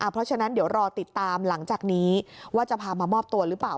เพราะฉะนั้นเดี๋ยวรอติดตามหลังจากนี้ว่าจะพามามอบตัวหรือเปล่า